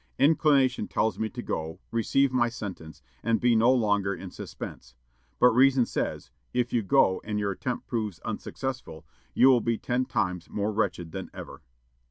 "Inclination tells me to go, receive my sentence, and be no longer in suspense; but reason says, 'If you go, and your attempt proves unsuccessful, you will be ten times more wretched than ever.'"